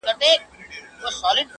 o چي پاڼه وشړېدل.